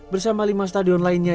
bersama lima stadion lainnya